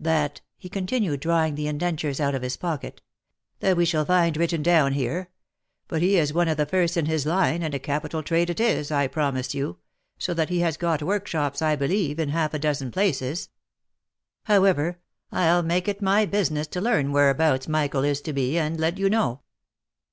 That," he continued, drawing the indentures out of his pocket, " that we shall find written down here — But he is one of the first in his line, and a capital trade it is, I promise you, so that he has got work shops, I believe, in half a dozen places. However, I'll make it my business to learn whereabouts Michael is to be, and let you know."